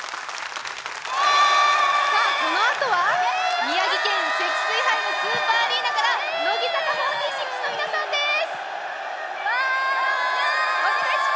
さあ、このあとは宮城県・セキスイハイムスーパーアリーナから乃木坂４６の皆さんです。